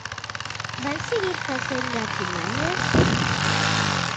¿Van seguir facendo artimañas?